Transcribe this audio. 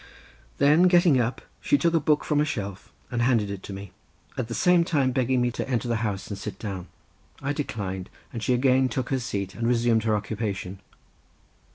Then getting up she took a book from a shelf and handed it to me at the same time begging me to enter the house and sit down. I declined and she again took her seat and resumed her occupation.